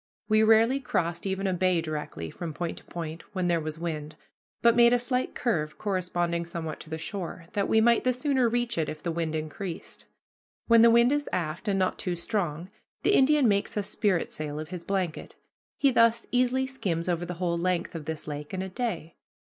We rarely crossed even a bay directly, from point to point, when there was wind, but made a slight curve corresponding somewhat to the shore, that we might the sooner reach it if the wind increased. When the wind is aft, and not too strong, the Indian makes a spritsail of his blanket. He thus easily skims over the whole length of this lake in a day.